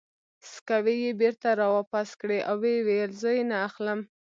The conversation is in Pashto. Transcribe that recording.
سکوې یې بېرته را واپس کړې او ویې ویل: زه یې نه اخلم.